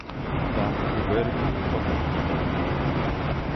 Там, у губернії, багато є таких.